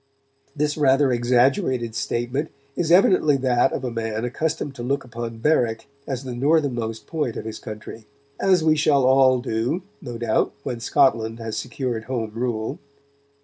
This rather exaggerated statement is evidently that of a man accustomed to look upon Berwick as the northernmost point of his country, as we shall all do, no doubt, when Scotland has secured Home Rule.